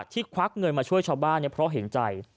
ควักเงินมาช่วยชาวบ้านเพราะเห็นใจ